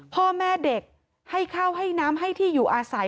พ่อแม่เด็กให้ข้าวให้น้ำให้ที่อยู่อาศัย